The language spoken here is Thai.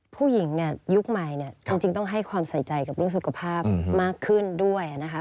ผู้หญิงเนี่ยยุคใหม่เนี่ยจริงต้องให้ความใส่ใจกับเรื่องสุขภาพมากขึ้นด้วยนะคะ